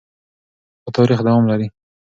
خو تاریخ دوام لري.